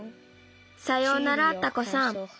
さようならタコさん。